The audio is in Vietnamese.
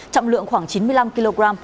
trọng lượng khoảng chín mươi năm kg